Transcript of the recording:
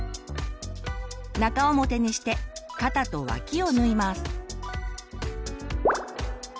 中表にして肩と脇を縫います。